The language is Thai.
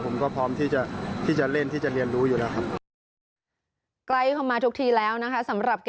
ผมก็พร้อมที่จะเล่นที่จะเรียนรู้อยู่แล้วครับ